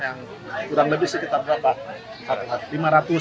kurang lebih sekitar berapa